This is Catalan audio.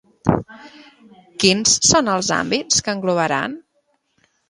Quins són els àmbits que englobaran?